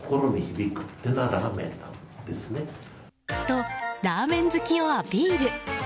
と、ラーメン好きをアピール。